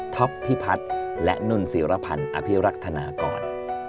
พิพัฒน์และนุ่นศิรพันธ์อภิรักษ์นากร